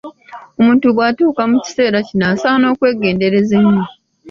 Omuntu bw'atuuka mu kiseera kino asaana okwegendereza ennyo.